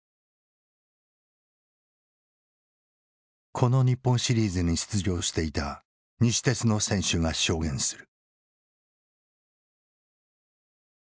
この日本シリーズに出場していた西鉄の選手が証言する。